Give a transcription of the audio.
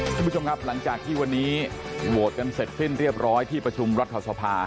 ทุกวังครับหลังจากที่วันนี้โหวตเต็มเส้นเรียบร้อยที่ประชุมรัฐธสภา